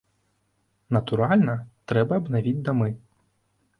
Натуральна, трэба абнавіць дамы.